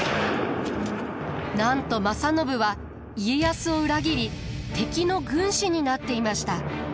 なんと正信は家康を裏切り敵の軍師になっていました。